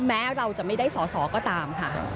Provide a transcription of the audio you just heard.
แม้เราจะไม่ได้สอสอก็ตามค่ะ